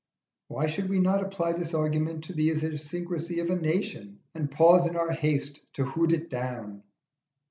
Why should we not apply this argument to the idiosyncrasy of a nation, and pause in our haste to hoot it down?